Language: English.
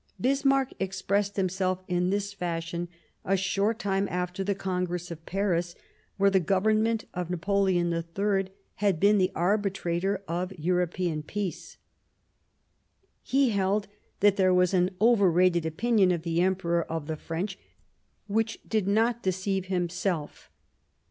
Bismarck expressed himself in this fashion, a short time after the Congress of Paris, where the Government of Napoleon III had been the arbitrator of European peace. He held that there was an overrated opinion of the Emperor of the French which did not deceive himself.